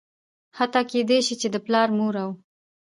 حتا کيدى شي چې د پلار ،مور او